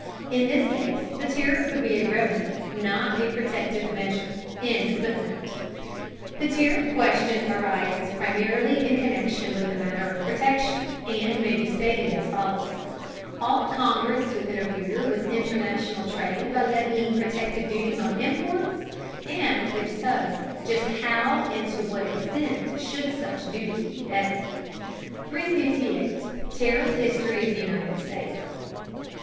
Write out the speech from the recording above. In this case the tariff would be a revenue, and not a protective measure.] The tariff question arises primarily in connection with the matter of protection, and may be stated as follows: Ought Congress to interfere with international trade by levying protective duties on imports; and, if so, just how and to what extent should such duties be levied? 358. TARIFF HISTORY OF THE UNITED STATES.